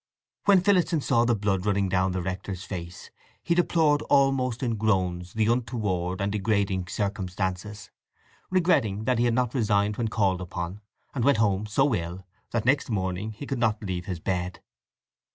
When Phillotson saw the blood running down the rector's face he deplored almost in groans the untoward and degrading circumstances, regretted that he had not resigned when called upon, and went home so ill that next morning he could not leave his bed.